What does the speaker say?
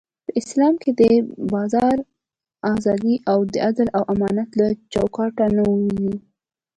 په اسلام کې د بازار ازادي د عدل او امانت له چوکاټه نه وځي.